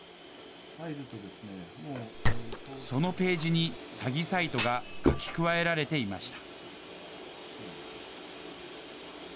そのページに詐欺サイトが書き加えられていました。